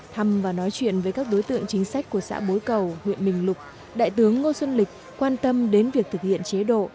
thăm và nói chuyện với các đối tượng chính sách của xã bối cầu huyện bình lục đại tướng ngô xuân lịch quan tâm đến việc thực hiện chế độ